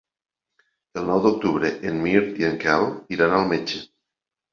El nou d'octubre en Mirt i en Quel iran al metge.